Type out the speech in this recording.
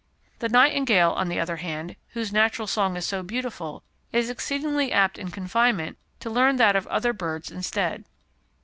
The nightingale, on the other hand, whose natural song is so beautiful, is exceedingly apt in confinement to learn that of other birds instead.